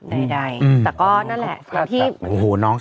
ได้แต่ก็นั่นแหละ